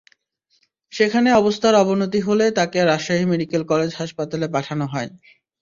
সেখানে অবস্থার অবনতি হলে তাঁকে রাজশাহী মেডিকেল কলেজ হাসপাতালে পাঠানো হয়।